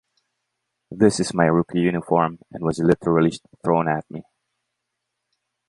This is my rookie uniform and was literally thrown at me.